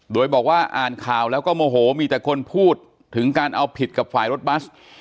โดยบอกว่าอ่านข่าวแล้วก็โมโหมีแต่คนพูดถึงการเอาผิดกับฝ่ายรถบัส